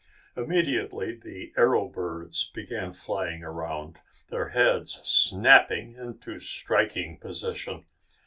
Immediately the arrow birds began flying around, their heads snapping into striking position.